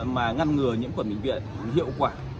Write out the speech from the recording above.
mà ngăn ngừa những khuẩn bệnh viện hiệu quả